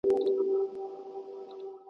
د خنجر عکس به يوسي ,